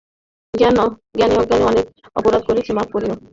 জ্ঞানে অজ্ঞানে অনেক অপরাধ করিয়াছি, মাপ করিয়ো।